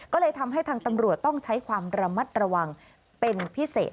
ก็เลยทำให้ทางตำรวจต้องใช้ความระมัดระวังเป็นพิเศษ